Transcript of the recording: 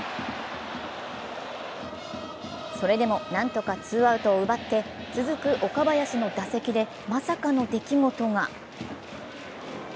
それでも、なんとかツーアウトを奪って続く岡林の打席でまさかの出来事が。